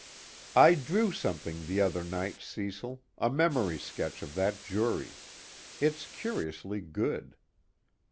"I drew something the other night, Cecil, a memory sketch of that jury. It's curiously good."